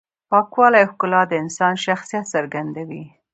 پاکوالی او ښکلا د انسان شخصیت څرګندوي.